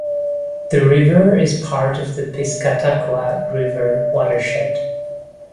The river is part of the Piscataqua River watershed.